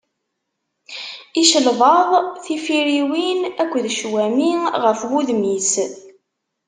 Icelbaḍ, tifiriwin akked ccwami ɣef wudem-is.